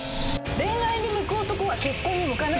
恋愛に向く男は結婚に向かない⁉